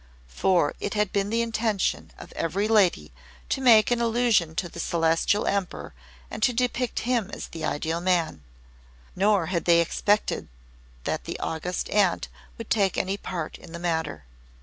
For it had been the intention of every lady to make an illusion to the Celestial Emperor and depict him as the Ideal Man. Nor had they expected that the August Aunt would take any part in the matter.